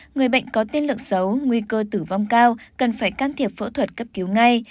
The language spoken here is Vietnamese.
người bệnh có tiên lượng xấu nguy cơ tử vong cao cần phải can thiệp phẫu thuật cấp cứu ngay